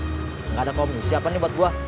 kang gak ada komisi apa nih buat gua